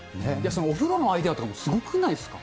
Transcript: お風呂のアイデアとかもすごくないですか。